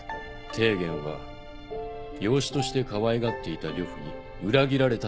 丁原は養子としてかわいがっていた呂布に裏切られた人物。